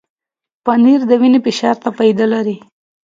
پنېر د وینې فشار ته فایده لري.